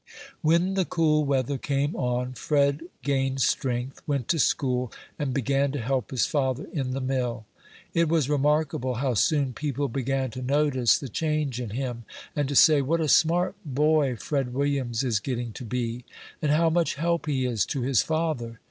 When the cool weather came on, Fred gained strength, went to school, and began to help his father in the mill. It was remarkable how soon people began to notice the change in him, and to say, "What a smart boy Fred Williams is getting to be! and how much help he is to his father!"